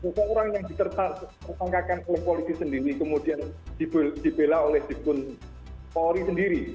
seseorang yang ditertanggakan oleh politik sendiri kemudian dibela oleh dipun polri sendiri